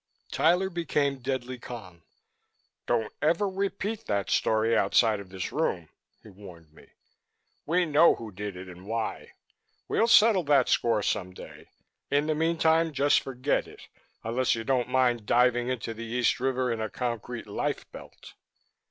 Tyler became deadly calm. "Don't ever repeat that story outside of this room," he warned me. "We know who did it and why. We'll settle that score some day. In the meantime, just forget it, unless you don't mind diving into the East River in a concrete life belt."